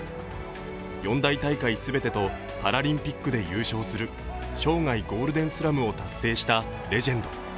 四大大会全てとパラリンピックで優勝する生涯ゴールデンスラムを達成したレジェンド。